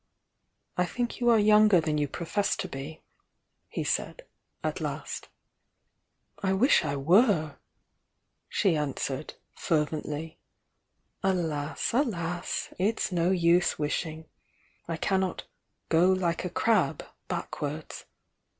"I think you are younger than you profess to be," he said, at last. "I wish I were!" she answered, fervently. "Alas, alas! it's no use wishing. I cannot 'go like a crab, backwards.'